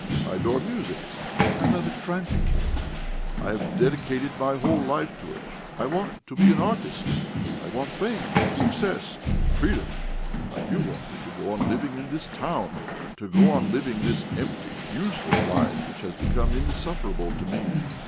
I adore music; I love it frantically; I have dedicated my whole life to it. I want to be an artist; I want fame, success, freedom, and you want me to go on living in this town, to go on living this empty, useless life, which has become insufferable to me.